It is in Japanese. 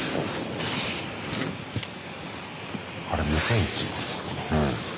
あれ無線機うん。